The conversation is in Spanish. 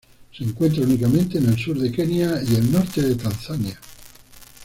Se encuentra únicamente en el sur del Kenia y el norte de Tanzania.